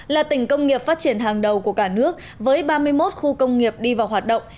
là tỉnh công nghiệp phát triển hàng đầu của cả nước với ba mươi một khu công nghiệp đi vào hoạt động